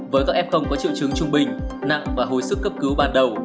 với các f có triệu chứng trung bình nặng và hồi sức cấp cứu ban đầu